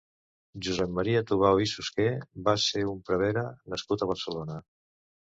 Josep Maria Tubau i Suqué va ser un prevere nascut a Barcelona.